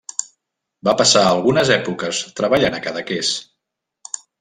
Va passar algunes èpoques treballant a Cadaqués.